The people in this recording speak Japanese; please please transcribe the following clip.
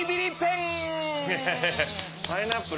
パイナップル